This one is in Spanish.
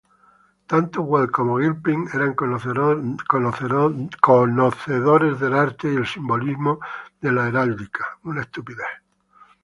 Tanto Weld como Gilpin eran conocedores del arte y el simbolismo de la heráldica.